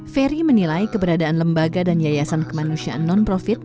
ferry menilai keberadaan lembaga dan yayasan kemanusiaan non profit